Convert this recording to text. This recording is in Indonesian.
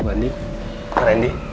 pak andi pak rendy